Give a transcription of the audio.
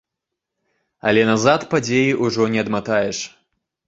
Але назад падзеі ўжо не адматаеш.